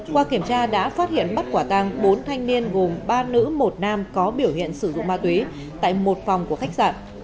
qua kiểm tra đã phát hiện bắt quả tăng bốn thanh niên gồm ba nữ một nam có biểu hiện sử dụng ma túy tại một phòng của khách sạn